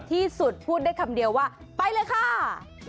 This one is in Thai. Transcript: ที่สุดพูดได้คำเดียวว่าไปเลยค่ะ